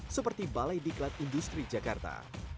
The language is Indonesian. seperti balai diklat industri jakarta